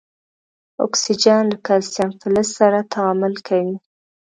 اکسیجن له کلسیم فلز سره تعامل کوي.